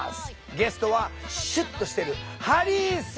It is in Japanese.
ゲストはシュッとしてるハリー杉山ちゃん！